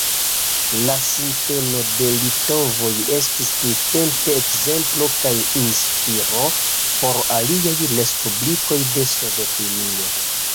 La sinteno de litovoj estis tiutempe ekzemplo kaj inspiro por aliaj respublikoj de Sovetunio.